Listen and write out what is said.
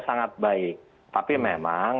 sangat baik tapi memang